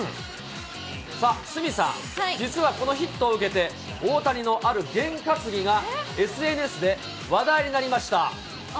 さあ、鷲見さん、実はこのヒットを受けて、大谷のある験担ぎがＳＮＳで話題になりました。